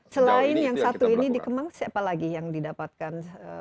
selain yang satu ini di kemang siapa lagi yang didapatkan